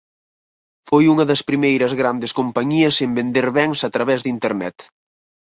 Foi unha das primeiras grandes compañías en vender bens a través de Internet.